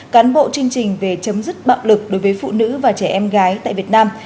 cán bộ chương trình về chấm dứt bạo lực đối với phụ nữ và trẻ em gái tại việt nam